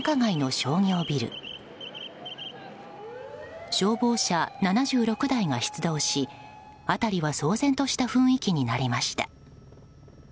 消防車７６台が出動し辺りは騒然とした雰囲気になりました。